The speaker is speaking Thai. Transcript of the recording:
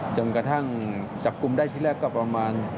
จนกระทั่งจับกลุ่มได้ที่แรกก็ประมาณ